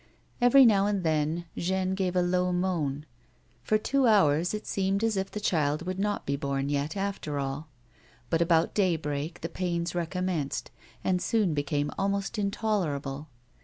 Every now and then Jeanne gave a low moan. For two hours it seemed as if the child would not be born yet, after all ; but about daybreak the pains recommenced and soon became almost intolerable.